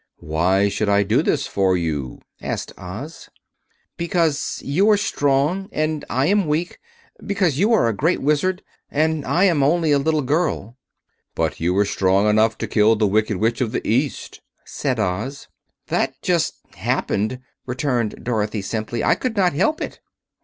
"Why should I do this for you?" asked Oz. "Because you are strong and I am weak; because you are a Great Wizard and I am only a little girl." "But you were strong enough to kill the Wicked Witch of the East," said Oz. "That just happened," returned Dorothy simply; "I could not help it."